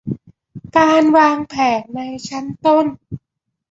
การวางแผนในชั้นต้น